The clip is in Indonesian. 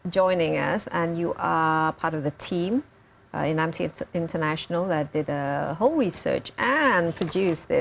dan anda adalah bagian dari tim amnesty international yang melakukan penelitian dan memproduksi ini